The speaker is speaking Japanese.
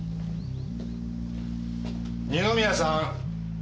二宮さん。